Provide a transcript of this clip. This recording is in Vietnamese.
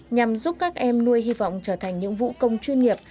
nhằm giúp các em nuôi hy vọng trở thành những vũ công chuyên nghiệp